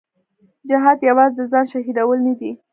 جهاد یوازې د ځان شهیدول نه دي.